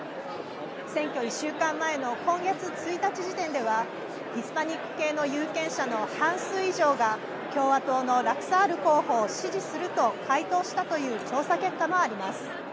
選挙１週間前の今月１日時点ではヒスパニック系の有権者の半数以上が共和党のラクサール候補を支持すると回答したという調査結果もあります。